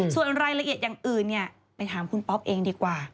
ส่วนรายละเอียดอย่างอื่นไปถามคุณป๊อปเองดีกว่า